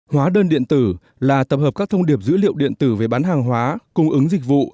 hóa đơn điện tử là tập hợp các thông điệp dữ liệu điện tử về bán hàng hóa cung ứng dịch vụ